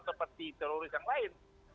seperti teroris yang lain